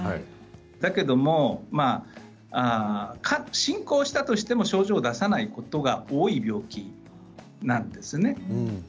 だけども進行したとしても症状を出さないことが多い病気なんですね。